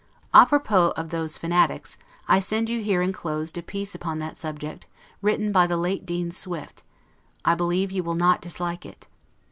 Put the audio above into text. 'A propos' of those fanatics; I send you here inclosed a piece upon that subject, written by the late Dean Swift: I believe you will not dislike it.